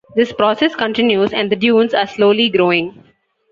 This process continues, and the dunes are slowly growing.